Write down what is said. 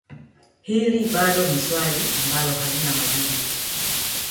Hili bado ni swali ambalo halina majibu